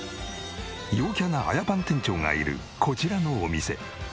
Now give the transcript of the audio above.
陽キャなあやぱん店長がいるこちらのお店。